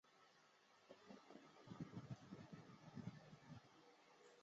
现在泰尼斯基花园作为克里姆林宫的一部分被列入世界文化遗产。